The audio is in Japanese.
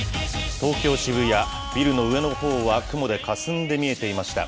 東京・渋谷、ビルの上のほうは雲でかすんで見えていました。